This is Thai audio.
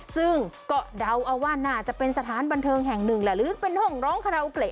ซึ่งก็เดาเอาว่าน่าจะเป็นสถานบันเทิงแห่งหนึ่งแหละหรือเป็นห้องร้องคาราโอเกะ